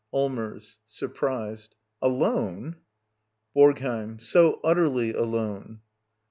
Allmers. [Surprised.] Alone! BoRGHEiM. So utterly alone!